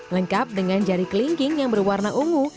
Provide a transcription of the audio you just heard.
lengkap dengan jari kelingking yang berwarna ungu